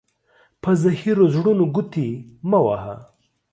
په زهيرو زړونو گوتي مه وهه.